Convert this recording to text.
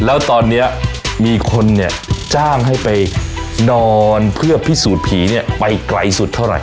แล้วตอนนี้มีคนเนี่ยจ้างให้ไปนอนเพื่อพิสูจน์ผีเนี่ยไปไกลสุดเท่าไหร่